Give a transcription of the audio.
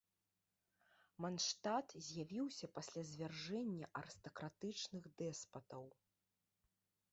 Мандштат з'явіўся пасля звяржэння арыстакратычных дэспатаў.